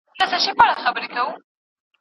ايا حضوري تدريس د زده کړې لپاره منظمه فضا برابروي؟